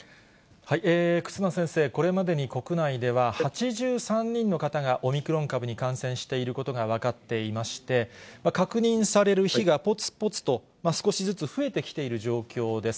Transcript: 忽那先生、これまでに国内では、８３人の方がオミクロン株に感染していることが分かっていまして、確認される日がぽつぽつと少しずつ増えてきている状況です。